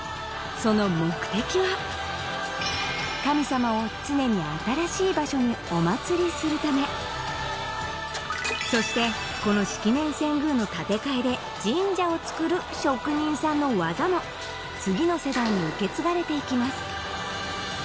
その目的は神様を常に新しい場所にお祀りするためそしてこの式年遷宮の建て替えで神社をつくる職人さんの技も次の世代に受け継がれていきます